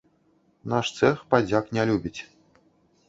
Наш цэх падзяк не любіць.